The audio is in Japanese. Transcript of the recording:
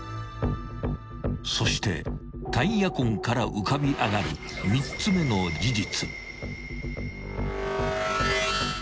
［そしてタイヤ痕から浮かび上がる３つ目の事実］